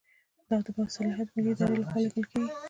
دا د باصلاحیته مالي ادارې له خوا لیږل کیږي.